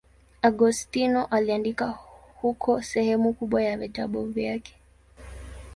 Agostino aliandika huko sehemu kubwa ya vitabu vyake.